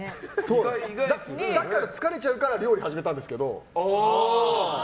だから疲れちゃうから料理始めたんですけど。